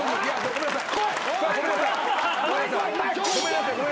ごめんなさい。